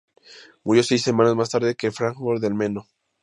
Murió seis semanas más tarde en Fráncfort del Meno.